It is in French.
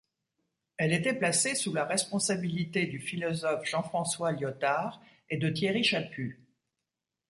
Elle était placée sous la responsabilité du philosophe Jean-François Lyotard et de Thierry Chaput.